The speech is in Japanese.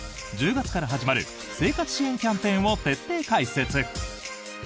１０月から始まる生活支援キャンペーンを徹底解説。